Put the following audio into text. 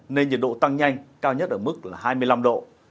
nên nhiệt độ tăng nhanh cao nhất ở mức là hai mươi năm độ